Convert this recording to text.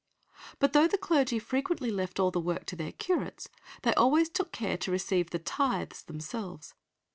But though the clergy frequently left all the work to their curates, they always took care to receive the tithes themselves.